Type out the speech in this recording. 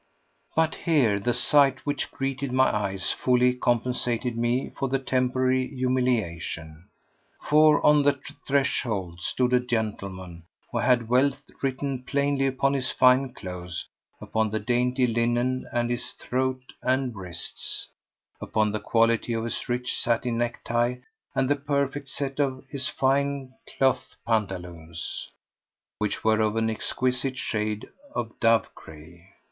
But here the sight which greeted my eyes fully compensated me for the temporary humiliation, for on the threshold stood a gentleman who had wealth written plainly upon his fine clothes, upon the dainty linen at his throat and wrists, upon the quality of his rich satin necktie and the perfect set of his fine cloth pantaloons, which were of an exquisite shade of dove grey.